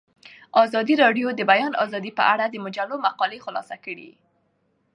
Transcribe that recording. ازادي راډیو د د بیان آزادي په اړه د مجلو مقالو خلاصه کړې.